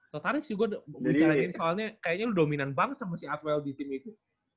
tertarik sih gua bicara ini soalnya kayaknya lu dominan banget sama si atwell di tim itu